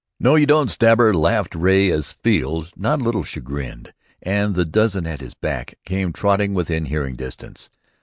"No you don't, Stabber!" laughed Ray, as Field, not a little chagrined, and the dozen at his back, came trotting within hearing distance.